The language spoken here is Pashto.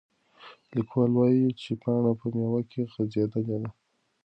لیکوال وایي چې پاڼه په میوه کې غځېدلې ده.